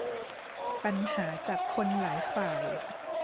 ปัญหาจากคนหลายฝ่าย